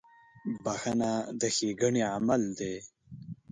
• بخښنه د ښېګڼې عمل دی.